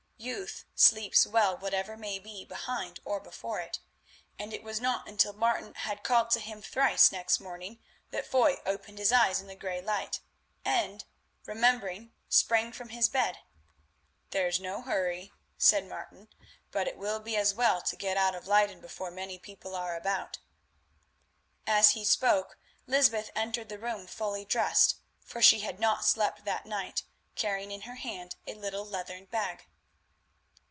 Youth sleeps well whatever may be behind or before it, and it was not until Martin had called to him thrice next morning that Foy opened his eyes in the grey light, and, remembering, sprang from his bed. "There's no hurry," said Martin, "but it will be as well to get out of Leyden before many people are about." As he spoke Lysbeth entered the room fully dressed, for she had not slept that night, carrying in her hand a little leathern bag.